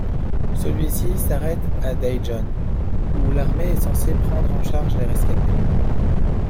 Celui-ci s'arrête à Daejeon, où l'armée est censée prendre en charge les rescapés.